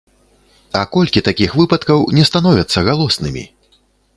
А колькі такіх выпадкаў не становяцца галоснымі?